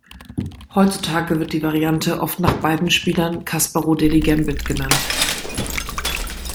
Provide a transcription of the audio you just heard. Heutzutage wird die Variante oft nach beiden Spielern Kasparow-Dely-Gambit genannt.